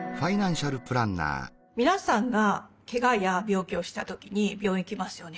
皆さんがけがや病気をしたときに病院行きますよね。